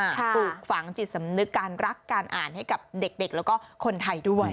ปลูกฝังจิตสำนึกการรักการอ่านให้กับเด็กแล้วก็คนไทยด้วย